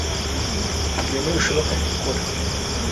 Ibyo ntibishoboka gukora